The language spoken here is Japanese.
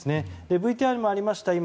ＶＴＲにもありました